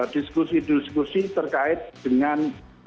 diskusi diskusi terkait dengan